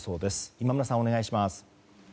今村さん、お願いします。